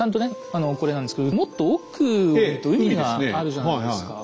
あのこれなんですけどもっと奥を見ると海があるじゃないですか。